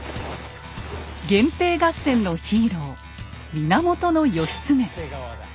源平合戦のヒーロー源義経。